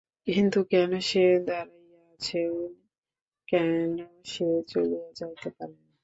কিন্তু কেন সে দাড়াইয়া আছে, কেন সে চলিয়া যাইতে পারে না?